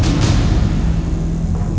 jangan sampai aku di samping